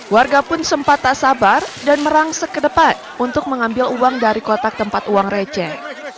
warga pun sempat tak sabar dan merangsek ke depan untuk mengambil uang dari kotak tempat uang receh